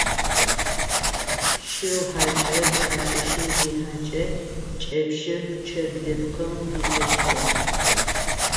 Шыу хьакӏэр хьакӏэщым зихьэкӏэ кӏэпщыр пчъэ блыпкъым пилъэщтыгъэ.